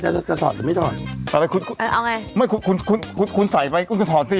จะถอดหรือไม่ถอดเอาไงไม่คุณคุณคุณคุณคุณใส่ไปคุณคุณถอดสิ